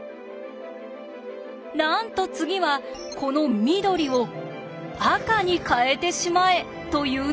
なんと次はこの緑を赤に変えてしまえというのです。